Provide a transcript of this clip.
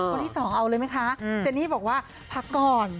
คนที่สองเอาเลยไหมคะเจนี่บอกว่าพักก่อน